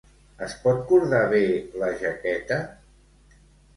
Es pot cordar bé la jaqueta?